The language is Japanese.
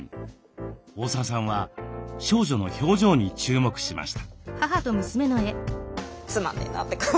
大澤さんは少女の表情に注目しました。